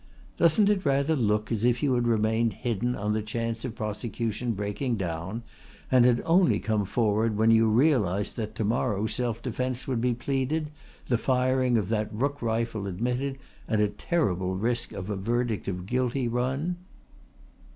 Doesn't it rather look as if you had remained hidden on the chance of the prosecution breaking down, and had only come forward when you realised that to morrow self defence would be pleaded, the firing of that rook rifle admitted and a terrible risk of a verdict of guilty run?"